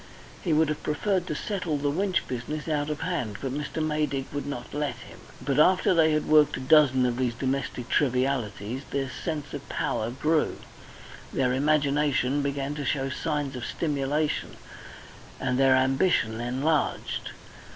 He would have preferred to settle the Winch business out of hand, but Mr. Maydig would not let him. But after they had worked a dozen of these domestic trivialities, their sense of power grew, their imagination began to show signs of stimulation, and their ambition enlarged.